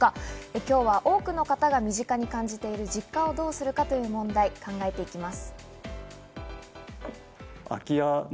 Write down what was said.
今日は多くの方が身近に感じている実家をどうするかという問題、考えていきます。